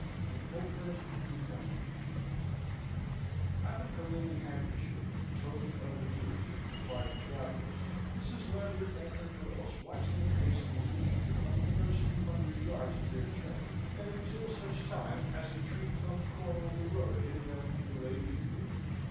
From Oakhurst to Tunbridge Having her lily handkerchief in token of adieu to the departing travellers, Mrs. Lambert and her girls watched them pacing leisurely on the first few hundred yards of their journey, and until such time as a tree clumped corner of the road hid them from the ladies' view.